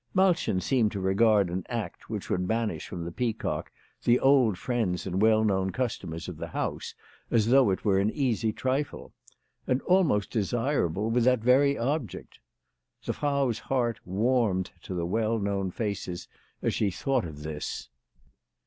Malchen seemed to regard an act which would banish from the Peacock the old friends and well known customers of the house as though it were an easy trifle ; and almost desirable with that very object. The Frau's heart warmed to the well known faces as she thought of this.